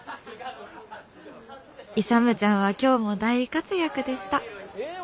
勇ちゃんは今日も大活躍でした」。